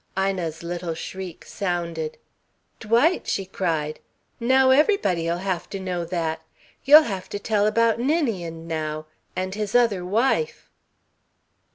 Ina's little shriek sounded. "Dwight!" she cried. "Now everybody'll have to know that. You'll have to tell about Ninian now and his other wife!"